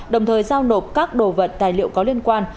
đồng thời giao nộp các đồ vật tài liệu có liên quan